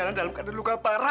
nggak ada dewi